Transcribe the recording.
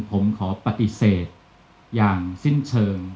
ผมขอปฏิเสธอย่างสิ้นเชิง